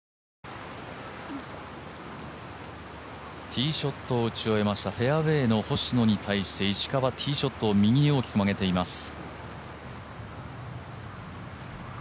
ティーショットを打ち終えましたフェアウエーの星野に対して石川、ティーショットを右に大きく曲げています。